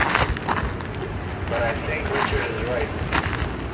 But I think Richard is right.